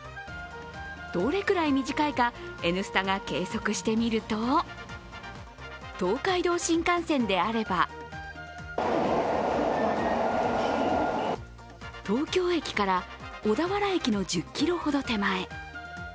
どれくらい短いか「Ｎスタ」が計測してみると、東海道新幹線であれば東京駅から小田原駅の１０ｋｍほど手前。